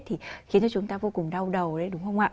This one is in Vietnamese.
thì khiến cho chúng ta vô cùng đau đầu đấy đúng không ạ